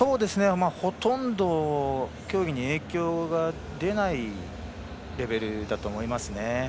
ほとんど競技に影響が出ないレベルだと思います。